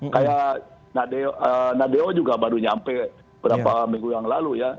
kayak nadeo juga baru nyampe beberapa minggu yang lalu ya